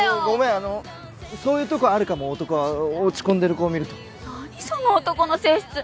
あのそういうとこあるかも男は落ち込んでる子を見ると何その男の性質！